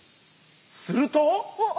すると！